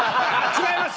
違います